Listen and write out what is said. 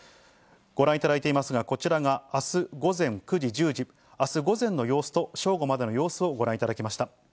ご覧いただいていますが、こちらがあす午前９時、１０時、あす午前の様子と正午までの様子をご覧いただきました。